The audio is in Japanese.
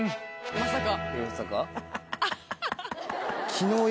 まさか。